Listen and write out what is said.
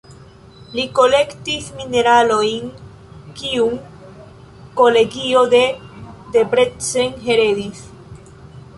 Li kolektis mineralojn, kiun kolegio de Debrecen heredis.